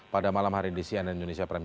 pada malam hari ini di cnn indonesia prime